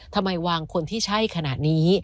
ทำไมวางคนที่ใช่ขนาดนี้